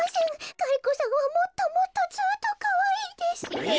ガリ子さんはもっともっとずっとかわいいです。え！